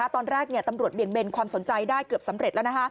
ตอนแรกตำรวจเบี่ยงเบนความสนใจได้เกือบสำเร็จแล้ว